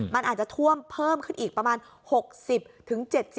มันอาจจะท่วมเพิ่มขึ้นอีกประมาณ๖๐๗๐